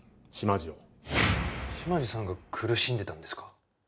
島地さんが苦しんでたんですか？